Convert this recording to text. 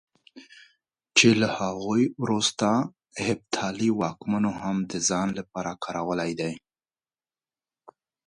چې له هغوی وروسته هېپتالي واکمنو هم د ځان لپاره کارولی دی.